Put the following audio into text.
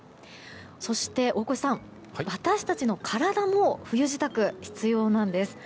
そして大越さん、私たちの体も冬支度が必要なんです。